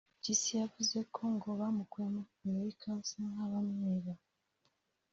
Mpyisi yavuze ko ngo bamukuye muri Amerika basa nk’abamwiba